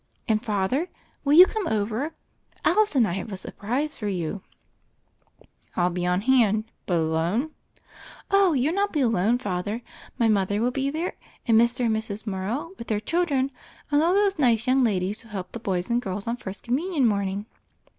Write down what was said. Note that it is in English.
And, Father, will you come over: Alice and I have a surprise for you ?*' "I'll be on hand; but alone?" "Oh, you'll not be alone, Father. My mother wiU be there, and Mr. and Mrs. Morrow with their children, and all those nice young ladies who helped the boys and the girls on First Com munion morning."